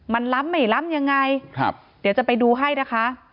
มันล้ำไม่ล้ำยังไงครับเดี๋ยวจะไปดูให้นะคะ